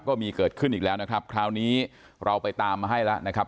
ก็มีเกิดขึ้นอีกแล้วนะครับคราวนี้เราไปตามมาให้แล้วนะครับ